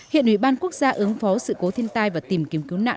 hiện ủy ban quốc gia ứng phó sự cố thiên tai và tìm kiếm cứu nạn